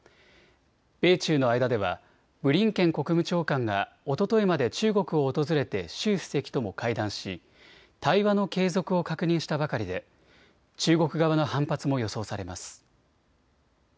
米中の間ではブリンケン国務長官がおとといまで中国を訪れて習主席とも会談し対話の継続を確認したばかりで中国側の反発も予想されます。